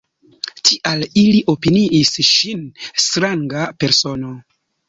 Tial ili opiniis ŝin stranga persono.